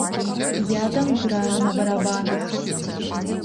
Я там граю на барабанах.